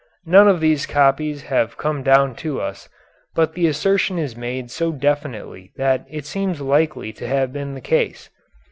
None of these copies have come down to us, but the assertion is made so definitely that it seems likely to have been the case.